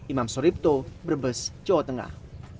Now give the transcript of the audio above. imam suripto brebes jawa tengah